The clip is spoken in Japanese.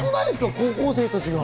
高校生たち。